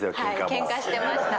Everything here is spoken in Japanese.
けんかしてました。